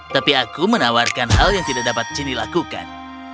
tapi aku menawarkan hal yang tidak dapat cindy lakukan